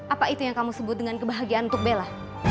apa itu yang kamu sebut dengan kebahagiaan untuk bella